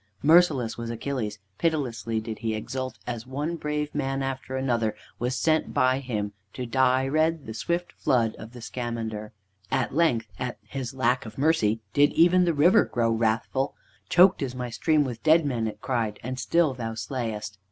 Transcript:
Merciless was Achilles; pitilessly did he exult as one brave man after another was sent by him to dye red the swift flood of the Scamander. At length, at his lack of mercy, did even the river grow wrathful. "Choked is my stream with dead men!" it cried, "and still thou slayest!"